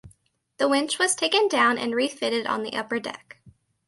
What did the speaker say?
The winch was taken down and refitted on the upper deck.